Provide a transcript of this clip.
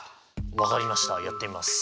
分かりましたやってみます。